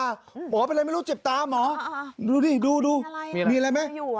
หมอเป็นอะไรไม่รู้เจ็บตาหมอดูดิดูดูมีอะไรไหม